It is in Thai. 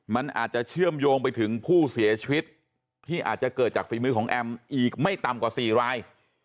มันอาจจะเชื่อมโยงไปถึงผู้เสียชีวิตที่อาจจะเกิดจากฝีมือของแอมอีกไม่ต่ำกว่า๔ราย